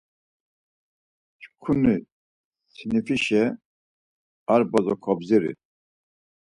Çkuni sinifişe ar bozo kobdziri.